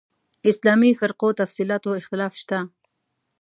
اسلامي فرقو تفصیلاتو اختلاف شته.